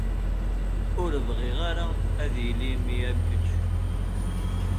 Ur bɣiɣ ara ad yili mmi am kečč.